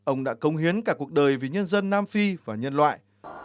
ông đã công hiến cả cuộc đời vì nhân dân nam phi và nhân loại